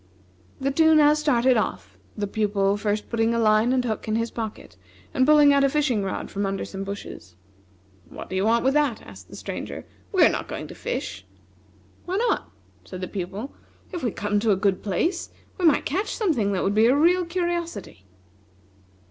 The two now started off, the Pupil first putting a line and hook in his pocket, and pulling out a fishing rod from under some bushes. "What do you want with that?" asked the Stranger, "we are not going to fish!" "Why not?" said the Pupil; "if we come to a good place, we might catch something that would be a real curiosity."